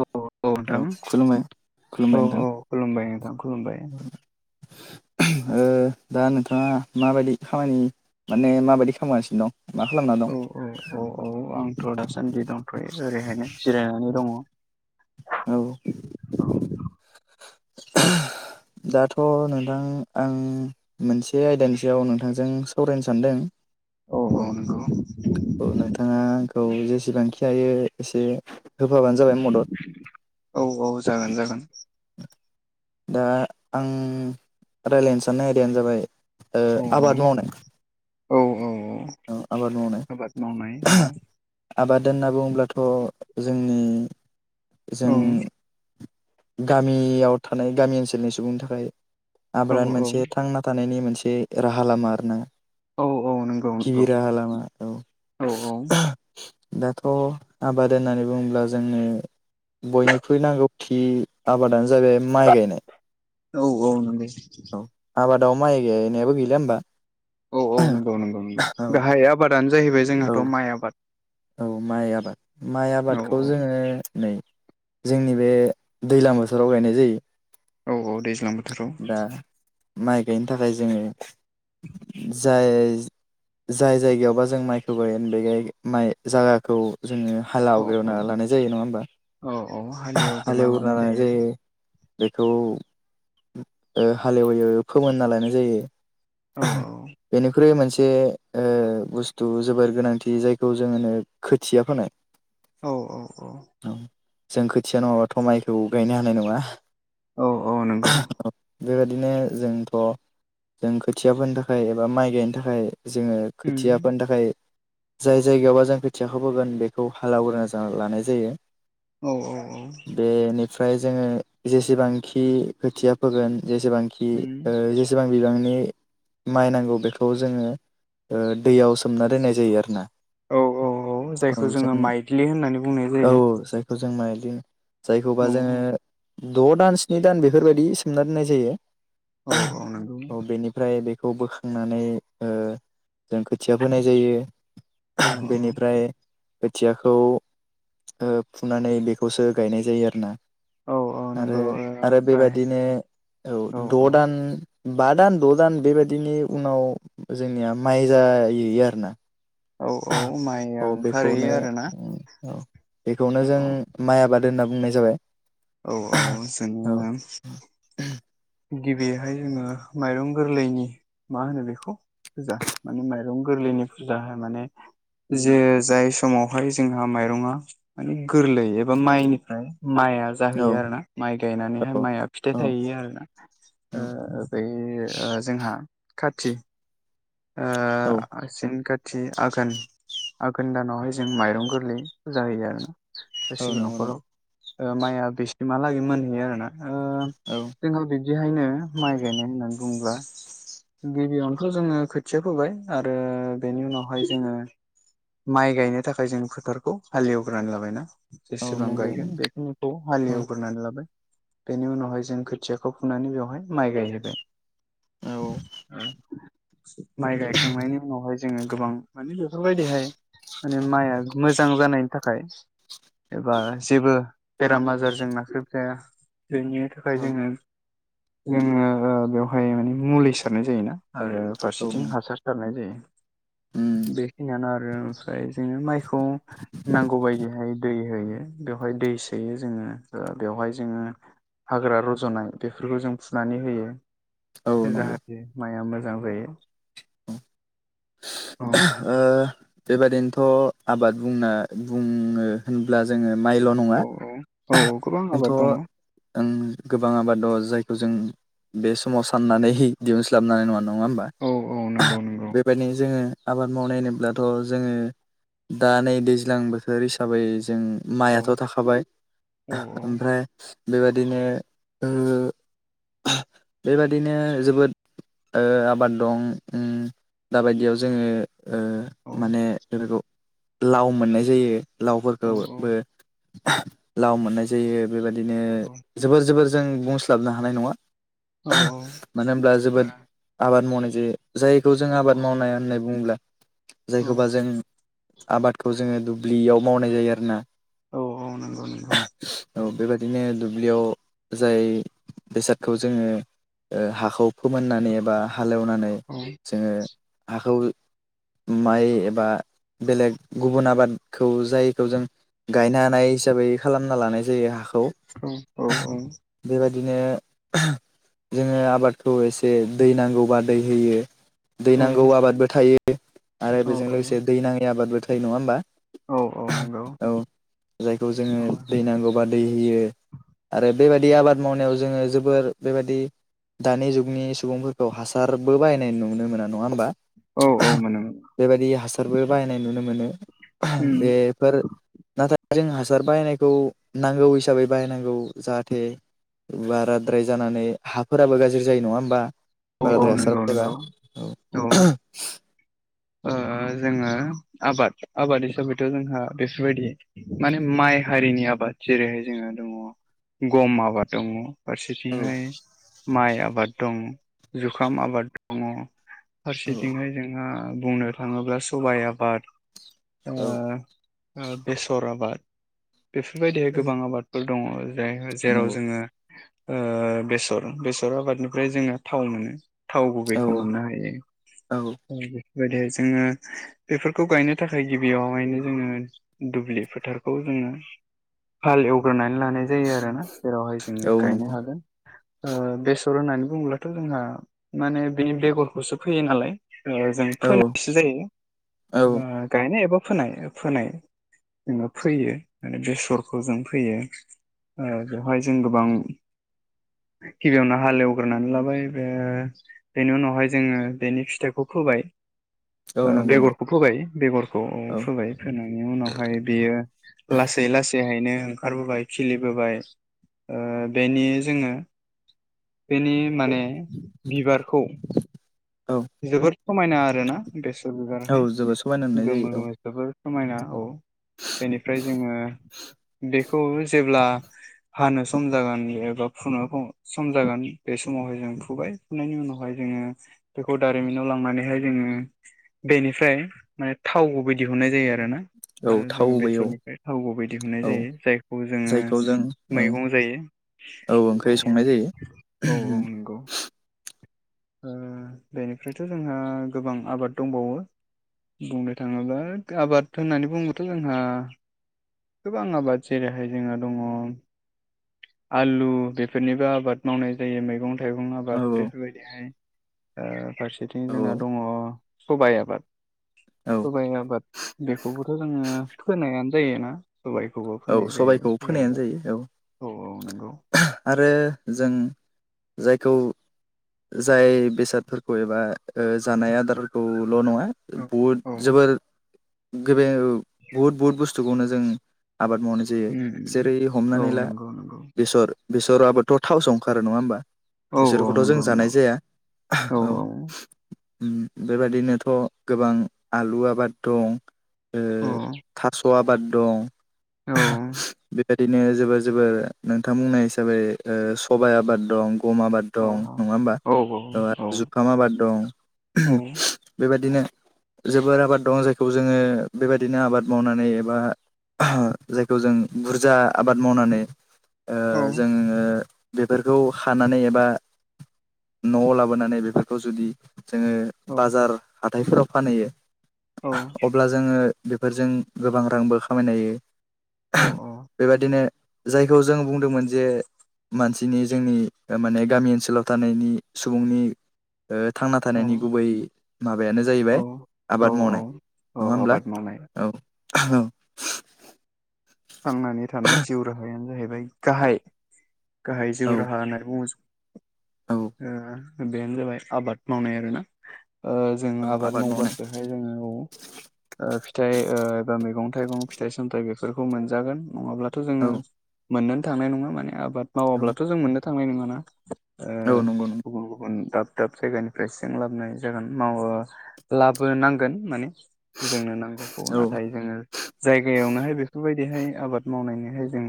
औ औ नोंथां औ खुलुमबाय औ खुलुमबाय नोंथां औ खुलुमबाय नोंथां खुलुमबाय ओ दा नोंथाङा माबायदि खामानि माने माबायदि खालामगासिनो? दं मा खालामना दं औ औ औ औ आंथ दासान्दि दंथै ओरैहायनो जिरायनानै दङ। ओ दाथ' नोंथां आं मोनसे आयदानि सायाव नोंथांजों सावरायनो सानदों। औ नंगौ औ नोंथाङा आंखौ जेसेबांखि हायो एसे होफाबानो जाबाय मदद औ औ जागोन जागोन दा आं रायलायनो साननाय आयदायानो जाबाय ओ औ औ आबाद मावनाय औ औ औ आबाद मावनाय आबाद मावनाय औ। आबाद होन्ना बुङोब्लाथ जोंनि जों गामियाव थानाय गामि ओनसोलनि सुबुंनि थाखाय औ आबादानो औ मोनसे थांना थानायनि मोनसे बे राहा लामा आरोना। औ औ नंगौ गिबि नंगौ राहा लामा औ औ औ औ दाथ' आबाद होननानै बुङोब्ला जोंनो बयनिख्रुइ नांगौखि आबादानो जाबाय माइ गायनाय औ नंगौ औ आबाद दाव माय गायनायाबो गैला होमबा औ औ नंगौ नंगौ नंगौ औ गाहाय आबादानो जाहैबाय औ जोंहाथ माइ आबाद। औ माइ आबाद माइ औ आबादखौ औ जोङो नै जोंनि बे दैलां बोथोराव गायनाय जायो। औ औ दैज्लां बोथोराव दा माइ गायनो थाखाय जोङो जाय जाय जायगायावबा जों माइखौ गायगोन बे माइ जायागाखौ जोङो हाल औ औ एवग्रोना लानाय जायो नङा होमबा? औ हालेवग्रोना लानाय जायो। बेखौ ओ हाल एवयो फोमोनना लानाय जायो औ औ बेनिख्रुइ मोनसे ओ बुस्थु जोबोर गोनांथि जाय खौ जों होनो खोथिया फोनाय। औ औ औ जों खोथिया नङाबाथ माइखौ गायनो हानाय नङा। औ औ नंगौ। बेबायदिनो जोंथ जों खोथिया फोनो थाखाय एबा माइ गायनो थाखाय जोङो खोथिया फोनो थाखाय जाय जायगायावबा जों खोथियाखौ फोगोन बेखौ हाल एवग्रोना लानाय जायो। औ औ औ ओमफ्राय जोङो जेसेबांखि खोथिया फोगोन जेसेबांखि ओ जेसेबां बिबांनि माइ नांगौ बेखौ जोङो ओ दैयाव सोमना दोननाय जायो आरोना। औ औ औ जायखौ जोङो माइल्दि होननानै बुंनाय जायो। खौ जों माइज्लि होनो जायखौबा औ जोङो द' दान स्नि दान बेफोरबायदि सोमना दोननाय जायो। औ औ नंगौ। खौ बोखांनानै ओ जों खोथिया फोनाय जायो। औ बेनिफ्राय खोथियाखौ ओ फुनानै बेखौसो गायनाय जायो आरोना। औ औ आरो नंगौ आरो ओमफ्राय बेबादिनो औ द' दान बा दान द' दान बेबायदिनि उनाव जोंनिया माइ जाहैयो आरोना। औ औ माइया औ बेखौनो ओंखारहैयो आरोना। औ बेखौनो जों औ माइ आबाद होनना बुंनाय जाबाय। औ औ औ जोङो गिबिहाय जोङो माइरं गोरलैनि मा होनो बेखौ फुजा माने माइरं गोरलैनि फुजाहोनाने माने जे जाय समावहाय जोंहा माइरंआ माने गोरलै एबा माइनिफ्राय माइआ औ जाहैयो आरो ना माइ औ गायनानैहाय माइआ औ फिथाइ थाहैयो आरो ना । ओ-ओ बे ओ जोंहा खथि ओ औ आसिन खार थि आघोन आघोन दानावहाय जों माइरं गोरलै फुजा होयो आरोना । औ गासिबो नंगौ नंगौ न'खराव माइया बिसिमहालागै मोनहैयो आरो ना ओ औ जोंहा बिदिहायनो माइ गायनाय होननानै बुङोब्ला। गिबियावनोथ' जोङो खोथिया फोबाय आरो बेनि उनावहाय जोङो । माइ गायनो थाखाय जों फोथारखौ हालेवग्रोनानै लाबायना औ जेसेबां नंगौ गायगोन नंगौ बेखिनिखौ' औ हालेवग्रोनानै लाबाय बेनि उनावहाय जों खोथियाखौ फुनानै बेवहाय माइ गायहैबाय [unintelligible] माइ गायखांनायनि उनावहाय जोङो गोबां माने बेफोरबायदिहाय माने माइआ मोजां जानायनि थाखाय। एबा जेबो बेराम आजारजों नाख्रेबजाया। बेनि थाखाय औ जोङो जोङो बेवहाय माने मुलि सारनाय जायोना आरो औ फारसेथिं नंगौ हासार सारनाय जायो उम बेखिनियानो आरो ओमफ्राय बेनो माइखौ नांगौ बायदिहाय। दै होयो बेवहाय दै सोयो जोङो बेवहाय जोङो। हाग्रा रज'नाय बेफोरखौ जों फुनानै होयो औ नंगौ जाहाथे माइआ मोजां जायो। औ ओ बेबादिनोथ' आबाद बुंना बुङो होनब्ला जोङो माइल' नङा औ औ औ गोबां [unintelligible] आबाद दङ थ' गोबां आबादाव जाय खौ जों बे समाव साननानै दिहुनस्लाबनो हानाय नङा नङा होमबा औ औ नंगौ नंगौ बेबायदिनो जोङो आबाद मावनाय होनोब्लाथ' जोङो दा नै दैज्लां बोथोर हिसाबै जों औ माइआथ' थाखाबाय औ ओमफ्राय बेबायदिनो ओ बेबादिनो जोबोद आबाद दं । दाबायदियाव जोङो ओ औ माने बेफोरखौ लाव मोननाय जायो । औ औ लावफोरखौबो लाव मोननाय जायो बेबदिनो जोबोर जोबोर। जों बुंस्लाबनो हानाय नङा औ मानो होनब्ला जोबोद आबाद मावनाय जे जायखौ जों औ आबाद मावनाय होननानै बुङोब्ला जायखौबा जों आबादखौ जोङो दुब्लियाव मावनाय जायो आरोना औ औ नंगौ नंगौ । बिदिनो दुब्लियाव जाय। बेसादखौ जोङो ओ हाखौ फोमोननानै एबा हालेवनानै औ जोङो हाखौ माइ एबा बेलेग गुबुन आबादखौ जायखौ जों गायनो हानाय हिसाबै खालामना लानाय जायो हा औ औ औ। बिदिनो जोङो आबादखौ एसे दै नांगौबा दै होयो। दै नांगौ आबादबो थायो आरो औ बेजों लोगोसे दै नांङि आबादबो थायो नङा होमबा? औ औ नंगौ। औ जायखौ जोङो दै नांगौबा दै होयो आरो। बेबायदि आबाद मावनायाव जोङो जोबोर बेबायदि दानि जुगनि सुबुंफोरखौ हासारबो बाहायनाय नुनो मोना नङा होमबा । औ औ मोनोमोन। बेबायदि हासारबो बाहायनाय नुनो मोनो बेफोर नाथाय जों हासार बायनायखौ नांगौ हिसाबै बाहायनांगौ जाहाथे। बाराद्राय जानानै हाफोराबो गाज्रि जायो नङा होमबा औ औ बाराद्राय हासार नंगौ बायबा नंगौ । औ। ओ जोङो आबाद आबाद हिसाबैथ' जोंहा बेफोरबायदि माने माइ हारिनि आ बाद जेरैहाय जोंहा दङ गम आबाद दङ औ फारसेथिंहाय माइ आबाद दङ जुखाम आबाद दङ फारसेथिंहाय जोंहा बुंनो थाङोब्ला सबाय आबाद ओ औ ओ बेसर आबाद बेफोरबायदि औ गोबां आबादफोर दङ जेराव नंगौ जोङो ओ बेसर बेसर आबादनिफ्राय जोङो थाव मोनो। थाव औ गुबैखौ मोननो औ हायो बेबायदियै जोङो बेफोरखौ गायनो थाखाय गिबियावहायनो जोङो दुब्लि फोथारखौ जों जोङो हाल एवग्रोनानै लानाय जायो आरोना जेरावहाय जोङो औ गायनो नंगौ हागोन ओ बेसर होननानै बुङोब्लाथ' जोंहा माने बेनि बेगरखौसो फोयो नालाय ओ जों औ फोनायसो औ जायो। गायनाय एबा फोनाय फोनाय जोङो फोयो माने बेसरखौ जों फोयो ओ बेवहाय जों गोबां गिबियावनो हालौवग्रोनानै लाबाय बेनि उनावहाय जोङो बेनि फिथाइखौ फोबाय [inaudible] ओ नंगौ बेगरखौ फोबाय बेगरखौ औ फोबाय फोनायनि उनावहाय बेयो लासै लासैहायनो ओंखारबोबाय खिलिबोबाय ओ बेनि जोङो बेनि माने बिबारखौ औ जोबोर समायना आरोना बेसर औ बिबाराहाय जोबोद समायना नुनाय गोमो जायो गोमो जोबोर समायना औ बेनिफ्राय जोङो बेखौ जेब्ला [inaudible] हानो सम जागोन एबा फुनो सम जागोन बे समावहाय जों फुबाय फुनायनि उनावहाय जोङो [unintelligible] बेखौ दारिमिनाव लांनानैहाय जोङो बेनिफ्राय माने थाव गुबै दिहुननाय जायो आरो ना औ जोङो थावबो औ बेसरनिफ्राय थाव गुबै बायदिहुनाय औ जायो जायखौ जोङो जायखौ जों ओं मैगं जायो औ ओंख्रि संनाय जायो। [unintelligible] उम बेनिफ्रायथ' जोंहा गोबां आबाद दंबावो बुंनो थाङोब्ला आबाद होननानै बुंङोथ' जोंहा गोबां आबाद जेरैहाय जोंहा दङ आलु बेफोरनिबो आबाद मावनाय जायो मैगं थाइगं आबाद औ बेफोरबायदिहाय ओ फारसेथिं औ जोंना दङ सबाय आबाद औ सबाय आबाद बेखौबोथ' जोङो फोनायानो जायोना सबायखौबो औ फोनाय जायो सबायखौ सबाय फोनायानो जायो औ औ नंगौ आरो जों जायखौ जाय बेसादफोरखौ एबा ओ जानाय आदारफोरखौ ल' नङा औ बहुथ औ जोबोर गेबें बुहुद बुहुद बुस्थुखौनो जों आबाद मावनाय जायो उम जेरै- औ हमनानै ला नंगौ नंगौ बेसर बेसराबबोथ' थावसो ओंखारो नङा होमबा! औ औ बेसोरखौथ' जों नंगौ जानाय नंगौ जाया। [unintelligible] औ उम बेबादिनोथ' गोबां आलु आबाद दं। ओ औ थास' आबाद दं औ बेबेदिनो जोबोर जोबोर नोंथां बुंनाय हिसाबै ओ सबाइ आबाद दं गम आबाद औ दं ।नङा होमबा औ ओ जुखाम आबाद दं। [unintelligible] बेबादिनो जोबोर आबाद दं जायखौ जोङो बेबायदिनो आबाद मावनानै एबा ओह जायखौ जों बुरजा आबाद मावनानै जोङो बेफोरखौ खानानै एबा न'आव लाबोनानै बेफोरखौ जुदि जोङो बाजार हाथाइफोराव फानहैयो आह अब्ला जोङो बेफोरजों गोबां रांबो खामायनो हायो ओह बेबादिनो जायखौ जों बुंदोंमोन जे मानसिनि जोंनि माने गामि ओनसोलाव थानायनि सुबुंनि ओ थांना थानायनि गुबै माबायानो औ जाहैबाय आबाद औ मावनाय नङा होमब्ला आबाद मावनाय औ औ थांनानै थानाय जिउ राहायानो जाहैबाय गाहाय गाहाय औ जिउ राहा होननानै बुङो। औ ओ बेनो जाबाय आबाद मावनाय आरोना। ओ औ जोङो आबाद मावनाय मावबासोहाय जोङो फिथाइ एबा मैगं थाइं फिथाइ सामथाइ बेफोरखौ मोनजागोन नङाब्लाथ' औ जोङो मोननोनो थांनाय नङा माने आबाद औ मावाब्लाथ' जों मोननो थांनाय नङाना औ नंगौ ओ गुबुन गुबुन गाब दाब दाब जायगानिफ्राय सो जों लाबोनाय जागोन मावो लाबोनांगोन माने। जोंनो नांगौखौ नंगौ औ नाथाय जोङो जायगायावनोहाय बे बेफोरबादिहाय आबाद मावनायनिहाय जों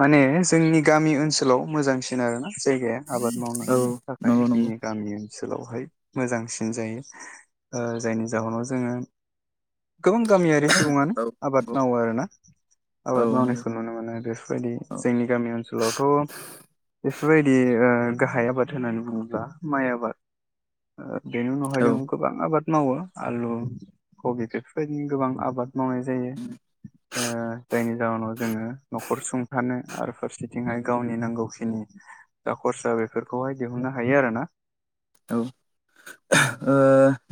माने जोंनि गामि ओनसोलाव मोजांसिन आरोना। जायगाया आबाद मावनो औ थाखाय नंगौ नंगौ जोंनि गामि ओनसोलावहाय मोजांसिन जायो ओ जायनि जाहोनाव जोङो गोबां गामियारि सुबुङानो औ आबाद नंगौ मावो आरो ना। औ आबाद नंगौ मावनायखौ नुनो मोनो बेफोरबायदि औ जोंनि गामि ओनसोलावथ' बेफोरबायदि ओ गाहाय आबाद होननानै बुङोब्ला माइ आबाद बेनि उनावहाय दङ औ गोबां आबाद मावो आलु कबि बेफोरबायदिनो गोबां आबाद मावनाय जायो ओ जायनि जाहोनाव जोङो न'खर सुंथानो आरो फारसेथिंहाय गावनि नांगौखिनि दा खरसा बेफोरखौहाय दिहुननो हायो आरो ना। औ ओ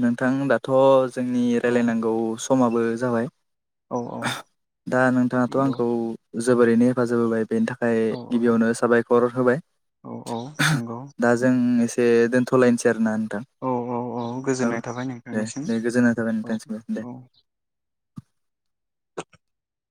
नोंथां होमबाथ' जोंनि औ रायलायनांगौ सम समाबो जाबाय औ औ आह दा नोंथाङाथ' नंगौ आंखौ जोबोरैनो हेफाजाब होबाय बेनि थाखाय औ औ गिबियावनो साबायखर होबाय औ औ नंगौ दे दोनथ'लायनोसै आरो न औ औ औ गोजोननाय थाबाय दे नोंथांनिसिम दे गोजोन्नाय थाबाय औ नोंथांसिमबो दे औ [inaudible]